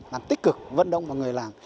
làm tích cực vận động vào người làm